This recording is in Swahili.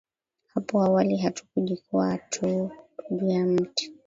hapo awali Hatukujikwaa tu juu ya miti